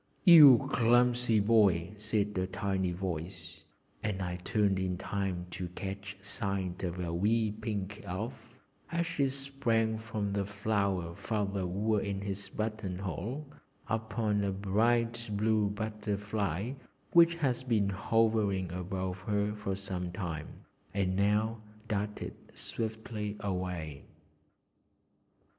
"You clumsy boy!" said a tiny voice, and I turned in time to catch sight of a wee pink Elf as she sprang from the flower Father wore in his button hole upon a bright blue butterfly which had been hovering above her for some time, and now darted swiftly away.